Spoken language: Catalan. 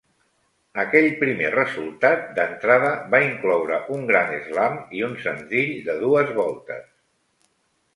Aquell primer resultat d'entrada va incloure un gran eslam i un senzill de dues voltes.